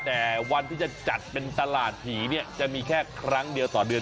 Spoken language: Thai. แต่วันที่จะจัดเป็นตลาดผีเนี่ยจะมีแค่ครั้งเดียวต่อเดือน